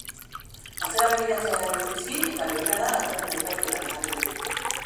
Atzera begiratzeari utzi eta begirada datorren epaiketan jarri nahi du.